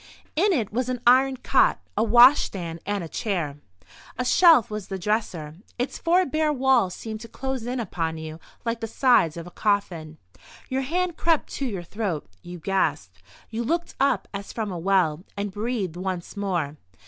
In it was an iron cot, a washstand and a chair. A shelf was the dresser. Its four bare walls seemed to close in upon you like the sides of a coffin. Your hand crept to your throat, you gasped, you looked up as from a well—and breathed once more.